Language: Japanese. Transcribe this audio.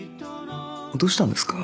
どうしたんですか？